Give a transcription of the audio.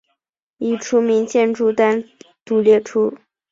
已除名建筑单独列出。